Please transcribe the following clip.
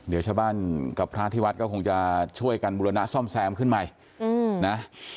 เดี๋ยวชาวบ้านกับพระที่วัดก็คงจะช่วยกันบุรณะซ่อมแซมขึ้นใหม่นะ